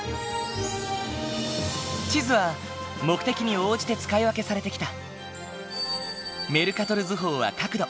地図は目的に応じて使い分けされてきた。